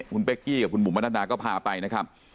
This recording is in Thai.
คุณเป๊กกี้กับคุณบุ๋มมนาก็พาไปนะครับ